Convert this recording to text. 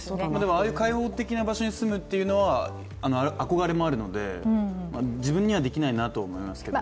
ああいう開放的な場所に住むというのは憧れもあるので自分にはできないなと思いますけど。